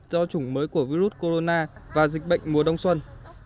do chủng mới của virus corona và dịch bệnh mùa đông xuân